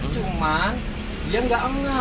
cuman dia nggak enggak